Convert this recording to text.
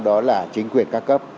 đó là chính quyền ca cấp